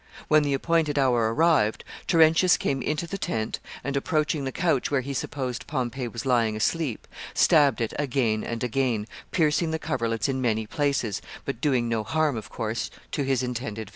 When the appointed hour arrived, Terentius came into the tent, and, approaching the couch where he supposed Pompey was lying asleep, stabbed it again and again, piercing the coverlets in many places, but doing no harm, of course, to his intended victim.